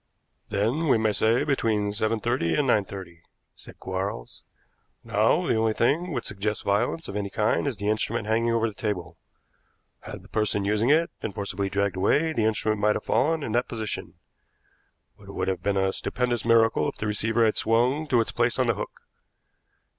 "Then we may say between seven thirty and nine thirty," said Quarles. "Now the only thing which suggests violence of any kind is the instrument hanging over the table. Had the person using it been forcibly dragged away, the instrument might have fallen in that position, but it would have been a stupendous miracle if the receiver had swung to its place on the hook.